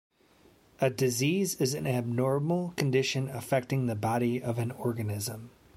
A disease is an abnormal condition affecting the body of an organism.